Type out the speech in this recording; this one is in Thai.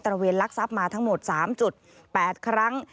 ระเวนลักทรัพย์มาทั้งหมด๓๘ครั้ง